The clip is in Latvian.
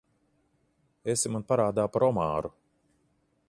Esi man parādā par omāru.